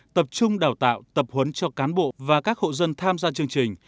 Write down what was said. tập trung đào tạo tập huấn cho cán bộ và các hộ dân tham gia chương trình